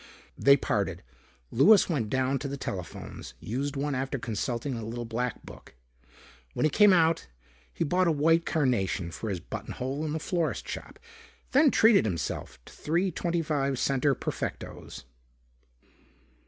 They parted. Louis went down to the telephones, used one after consulting a little black book. When he came out, he bought a white carnation for his button hole in the florist shop, then treated himself to three twenty five center Perfectos.